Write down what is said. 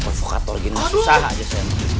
provokator gini susah aja saya